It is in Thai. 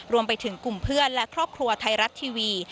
รวมไปถึงกลุ่มเพื่อนและครอบครัวไทยรัฐทีวี